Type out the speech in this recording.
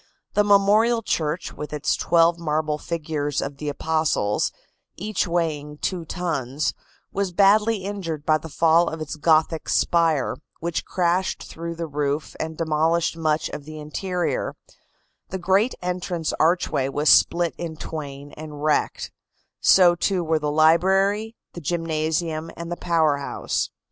The memorial church, with its twelve marble figures of the apostles, each weighing two tons, was badly injured by the fall of its Gothic spire, which crashed through the roof and demolished much of the interior; the great entrance archway was split in twain and wrecked; so, too, were the library, the gymnasium and the power house.